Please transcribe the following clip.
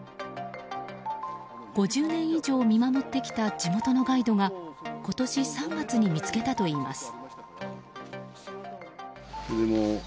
５０年以上、見守ってきた地元のガイドが今年３月に見つけたといいます。